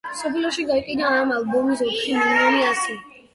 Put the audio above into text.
მსოფლიოში გაიყიდა ამ ალბომის ოთხი მილიონი ასლი.